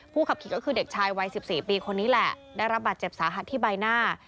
ขับขี่ก็คือเด็กชายวัย๑๔ปีคนนี้แหละได้รับบาดเจ็บสาหัสที่ใบหน้า